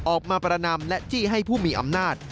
ประนำและจี้ให้ผู้มีอำนาจ